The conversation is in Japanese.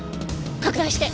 拡大して！